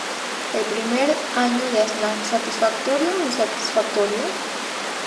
El primer año de Aznar ¿satisfactoria o insatisfactorio?